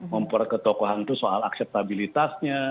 memperkuat ketokohan itu soal akseptabilitasnya